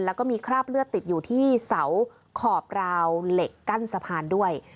แล้วก็มีคราบเลือดติดอยู่ที่เสาขอบราวเหล็กกั้นสะพานด้วย